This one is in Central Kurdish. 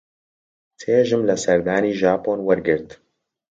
چێژم لە سەردانی ژاپۆن وەرگرت.